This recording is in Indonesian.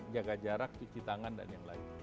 jaga jarak cuci tangan dan yang lain